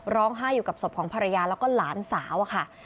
ร้องไห้อยู่กับศพของภรรยาแล้วก็หลานสาวอะค่ะ